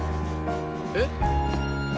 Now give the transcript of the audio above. えっ？